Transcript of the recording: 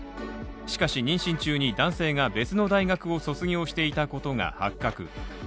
しかし妊娠中に男性が別の大学を卒業していたことが発覚。